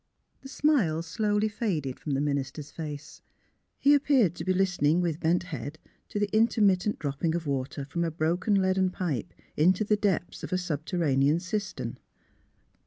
The smile slowly faded from the minister's face. He appeared to be listening with bent head to the intermittent dropping of water from a broken leader pipe into the depths of a subterranean cis tern.